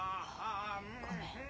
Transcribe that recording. ごめん。